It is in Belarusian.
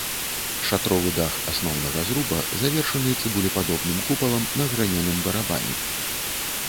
Шатровы дах асноўнага зруба завершаны цыбулепадобным купалам на гранёным барабане.